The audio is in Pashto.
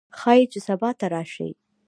ښايي چې سبا ته راشي